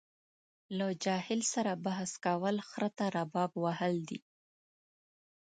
له جاهل سره بحث کول خره ته رباب وهل دي.